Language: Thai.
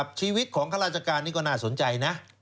ชีวิตของข้าราชการนี่ก็น่าสนใจนะ